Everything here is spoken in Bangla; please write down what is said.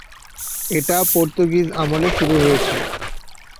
এটা পর্তুগিজ আমলে শুরু হয়েছিলো।